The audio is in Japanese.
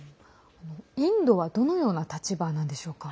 インドはどのような立場なんでしょうか。